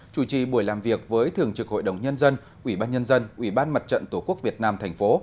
chủ trì buổi làm việc với thường trực hội đồng nhân dân ủy ban nhân dân ủy ban mặt trận tổ quốc việt nam thành phố